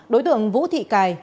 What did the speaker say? đối tượng vũ thị cài